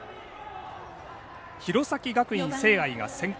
弘前学院聖愛が先攻。